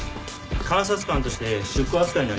監察官として出向扱いになります。